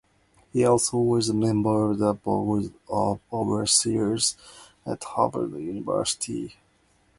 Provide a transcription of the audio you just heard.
He also was a member of the Board of Overseers at Harvard University.